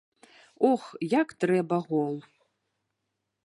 Ох, як трэба гол!